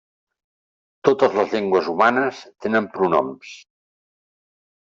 Totes les llengües humanes tenen pronoms.